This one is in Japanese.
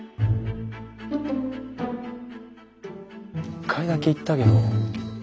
一回だけ行ったけど。